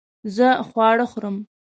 زه خواړه خورم